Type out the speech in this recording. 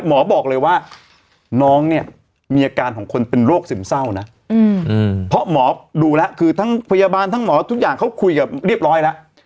หมอบอกเลยว่าน้องเนี่ยมีอาการของคนเป็นโรคซึมเศร้านะเพราะหมอดูแล้วคือทั้งพยาบาลทั้งหมอทุกอย่างเขาคุยกับเรียบร้อยแล้ว